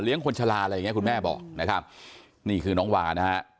เลี้ยงคนชาลาอะไรอย่างเงี้ยคุณแม่บอกนะครับนี่คือน้องวานะครับ